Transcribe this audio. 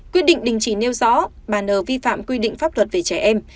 quyết định đình chỉ nêu rõ bà n vi phạm quy định pháp luật về trẻ em